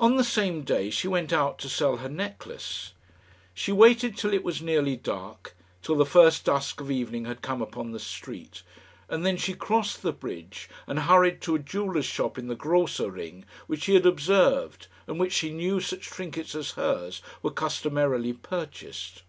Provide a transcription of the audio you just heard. On the same day she went out to sell her necklace. She waited till it was nearly dark till the first dusk of evening had come upon the street and then she crossed the bridge and hurried to a jeweller's shop in the Grosser Ring which she had observed, and at which she knew such trinkets as hers were customarily purchased.